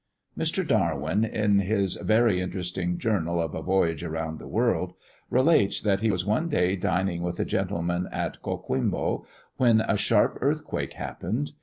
Mr. Darwin, in his very interesting Journal of a Voyage round the World, relates that he was one day dining with a gentleman at Coquimbo, when a sharp earthquake happened.